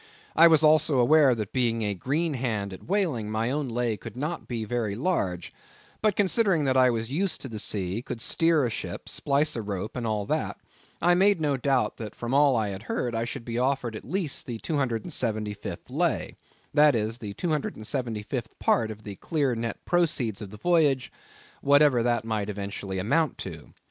I was also aware that being a green hand at whaling, my own lay would not be very large; but considering that I was used to the sea, could steer a ship, splice a rope, and all that, I made no doubt that from all I had heard I should be offered at least the 275th lay—that is, the 275th part of the clear net proceeds of the voyage, whatever that might eventually amount to.